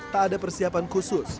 tak ada persiapan khusus